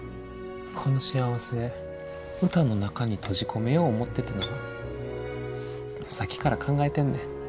この幸せ歌の中に閉じ込めよう思っててなさっきから考えてんねん。